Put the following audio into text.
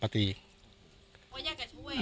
มาตีอีก